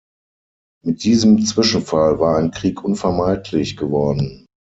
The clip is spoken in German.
Mit diesem Zwischenfall war ein Krieg unvermeidlich geworden.